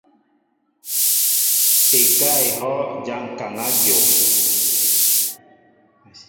Ekáá ehɔʼ ja ŋkaŋa dyom.